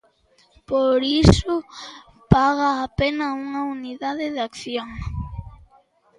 Por iso paga a pena unha "unidade de acción".